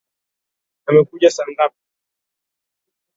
Amekuja saa ngapi?